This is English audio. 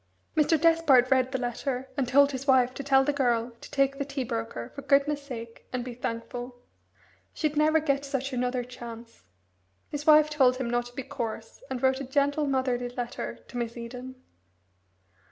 Mr. Despard read the letter, and told his wife to tell the girl to take the tea broker, for goodness' sake, and be thankful. She'd never get such another chance. His wife told him not to be coarse, and wrote a gentle, motherly letter to Miss Eden.